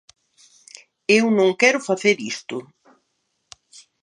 Eu non quero facer isto.